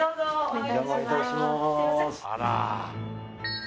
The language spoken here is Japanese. お邪魔いたしまーす